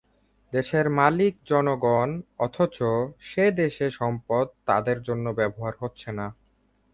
দেশের মালিক জনগণ অথচ সেই সম্পদ তাঁদের জন্য ব্যবহার হচ্ছে না।